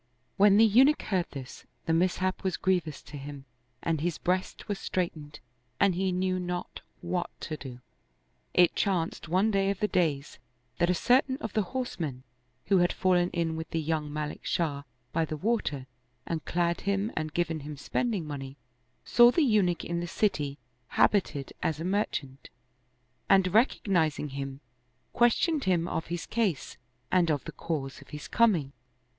When the Eunuch heard this, the mishap was grievous to 74 The Scar on the Throat him and his breast was straitened and he knew not what to do. It chanced one day of the days that a certain of the horsemen, who had fallen in with the young Malik Shah by the water and clad him and given him spending money, saw the Eunuch in the city, habited as a merchant, and rec ognizing him, questioned him of his case and of the cause of his coming.